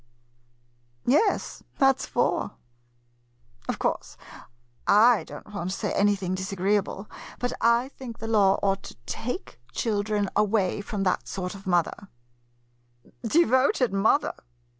Yes, that 9 s four. Of course I don't want to say anything disa greeable, but I think the law ought to take MODERN MONOLOGUES children away from that sort of mothers. Devoted mother?